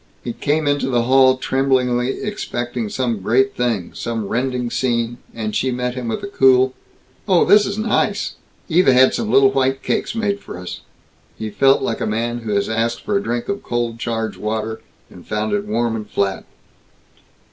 He came into the hall tremblingly expecting some great thing, some rending scene, and she met him with a cool, "Oh, this is nice. Eva had some little white cakes made for us." He felt like a man who has asked for a drink of cold charged water and found it warm and flat.